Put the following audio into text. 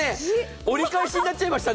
折り返しになっちゃいましたね。